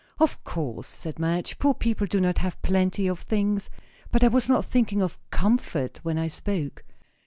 "Of course," said Madge, "poor people do not have plenty of things. But I was not thinking of comfort, when I spoke."